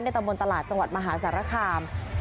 ตำบลตลาดจังหวัดมหาสารคาม